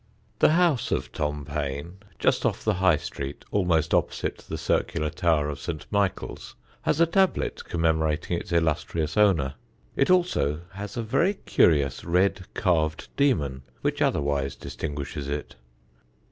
The house of Tom Paine, just off the High Street, almost opposite the circular tower of St. Michael's, has a tablet commemorating its illustrious owner. It also has a very curious red carved demon which otherwise distinguishes it.